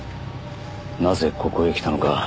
なぜここへ来たのか。